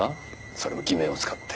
それも偽名を使って。